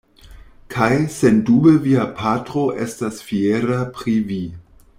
Kaj, sendube, via patro estas fiera pri vi.